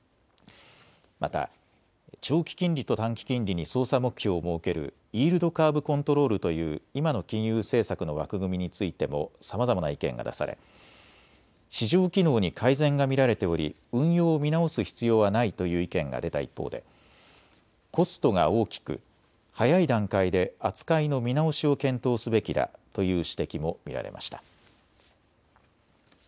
また長期金利と短期金利に操作目標を設けるイールドカーブ・コントロールという今の金融政策の枠組みについてもさまざまな意見が出され市場機能に改善が見られており運用を見直す必要はないという意見が出た一方でコストが大きく早い段階で扱いの見直しを検討すべきだという指摘も見られました。